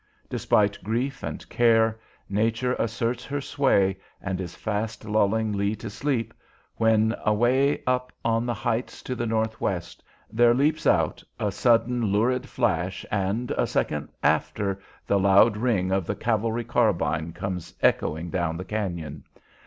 Despite grief and care, Nature asserts her sway and is fast lulling Lee to sleep, when, away up on the heights to the northwest, there leaps out a sudden lurid flash and, a second after, the loud ring of the cavalry carbine comes echoing down the cañon.